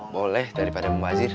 boleh daripada mbak haji